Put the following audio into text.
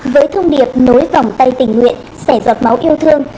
với thông điệp nối vòng tay tỉnh nguyễn sẻ giọt máu yêu thương